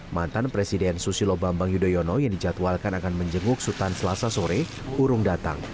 mantan presiden susilo bambang yudhoyono yang dijadwalkan akan menjenguk sultan selasa sore urung datang